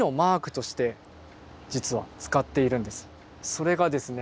それがですね